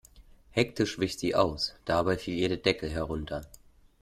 Hektisch wich sie aus, dabei fiel ihr der Deckel herunter.